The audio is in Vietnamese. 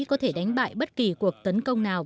có thể đánh bại bất kỳ cuộc tấn công nào